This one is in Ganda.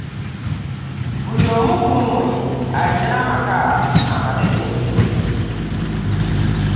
Buli omu kummwe alina amaka amatebenkevu.